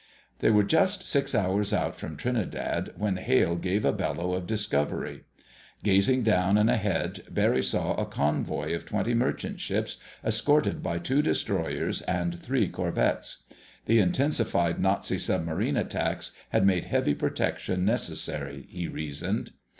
They were just six hours out from Trinidad when Hale gave a bellow of discovery. Gazing down and ahead, Barry saw a convoy of twenty merchant ships, escorted by two destroyers and three corvettes. The intensified Nazi submarine attacks had made heavy protection necessary, he reasoned.